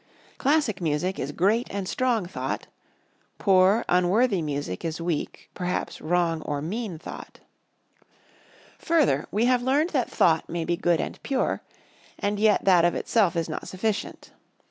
Classic music is great and strong thought; poor, unworthy music is weak, perhaps wrong or mean thought. Further, we have learned that thought may be good and pure, and yet that of itself is not sufficient.